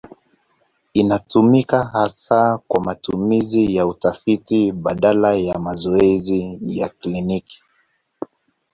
Inatumika hasa kwa matumizi ya utafiti badala ya mazoezi ya kliniki.